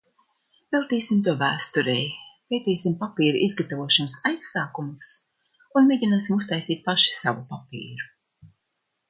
Veltīsim to vēsturei. Pētīsim papīra izgatavošanas aizsākumus un mēģināsim uztaisīt paši savu papīru.